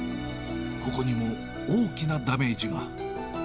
ここにも大きなダメージが。